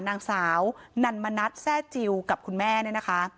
นางสาวนันมณัฐแซ่จิลกับคุณแม่เนี่ยนะคะ